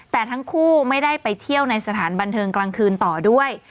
แต่ทั้งคู่ไม่ได้ไปเที่ยวในสถานบันเทิงกลางคืนต่อด้วย